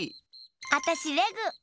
あたしレグ！